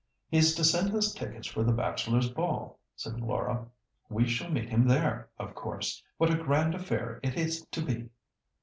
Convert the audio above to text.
"He is to send us tickets for the Bachelors' Ball," said Laura. "We shall meet him there, of course. What a grand affair it is to be!"